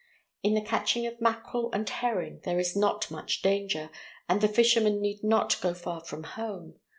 In the catching of mackerel and herring there is not much danger, and the fishermen need not go far from home.